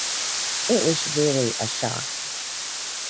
It was really a shock.